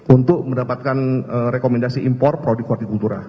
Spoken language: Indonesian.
untuk mendapatkan rekomendasi import produk hortikultura